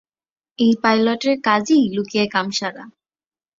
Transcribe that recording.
এই পাইলটের কাজই লুকিয়ে কাম সারা।